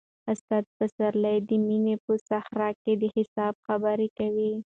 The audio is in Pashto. استاد پسرلی د مینې په صحرا کې د حساب خبره کوي.